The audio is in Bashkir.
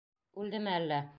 Үлдеме әллә?